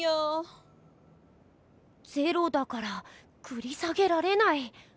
心の声ゼロだからくり下げられない。